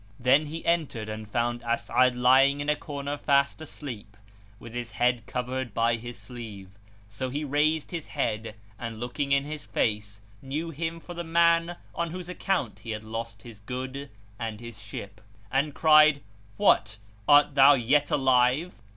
Then he entered and found As'ad lying in a corner fast asleep, with his head covered by his sleeve; so he raised his head, and looking in his face, knew him for the man on whose account he had lost his good and his ship, and cried, "What! art thou yet alive?"